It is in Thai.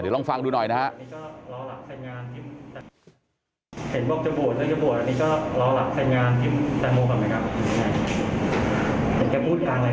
เดี๋ยวลองฟังดูหน่อยนะครับ